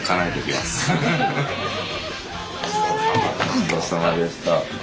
ごちそうさまでした。